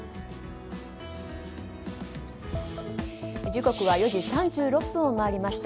時刻は４時３６分を回りました。